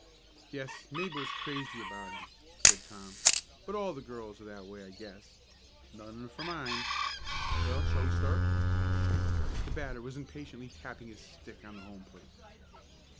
"Yes, Mabel is crazy about him," said Tom; "but all girls are that way I guess. None for mine! Well, shall we start?" The batter was impatiently tapping his stick on the home plate.